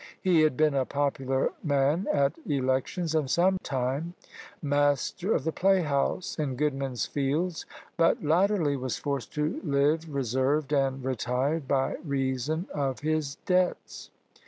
He had been a popular man at elections, and sometime master of the playhouse in Goodman's Fields, but latterly was forced to live reserved and retired by reason of his debts.